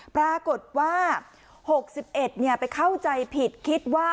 ปรากฏว่าหกสิบเอ็ดไปเข้าใจผิดคิดว่า